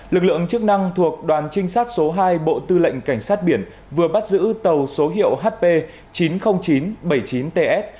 lực lượng chức năng thuộc đoàn trinh sát số hai bộ tư lệnh cảnh sát biển vừa bắt giữ tàu số hiệu hp chín mươi nghìn chín trăm bảy mươi chín ts